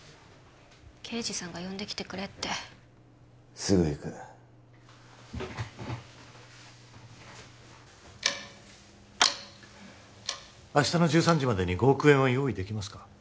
刑事さんが呼んできてくれってすぐ行く明日の１３時までに５億円は用意できますか？